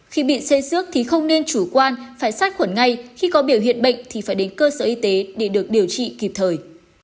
khi bị xây xước thì không nên chủ quan phải sát khuẩn ngay khi có biểu hiện bệnh thì phải đến cơ sở y tế để được điều trị kịp thời